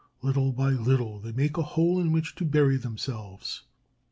Little by little, they make a hole in which to bury themselves.